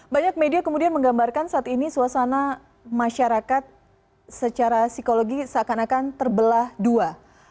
banyak media kemudian menggambarkan saat ini suasana masyarakat secara psikologi seakan akan terbelah dua